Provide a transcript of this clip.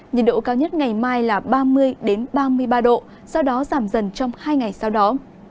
nhiệt độ cao nhất ngày mai là ba mươi ba mươi ba độ sau đó giảm dần trong hai ngày sau đó